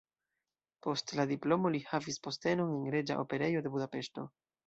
Post la diplomo li havis postenon en Reĝa Operejo de Budapeŝto.